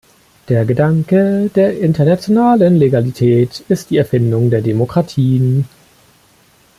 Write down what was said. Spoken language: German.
Der Gedanke der internationalen Legalität ist die Erfindung der Demokratien.